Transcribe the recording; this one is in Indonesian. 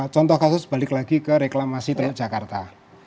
contoh kasus balik lagi ke reklamasi teluk jakarta